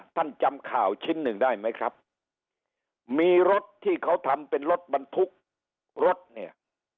ท่านจำข่าวชิ้นหนึ่งได้ไหมครับมีรถที่เขาทำเป็นรถบรรทุกรถเนี่ย